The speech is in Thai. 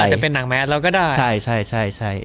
อาจจะเป็นหนังแมสเราก็ได้